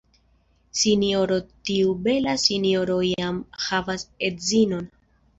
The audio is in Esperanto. Sinjoro, tiu bela sinjoro jam havas edzinon!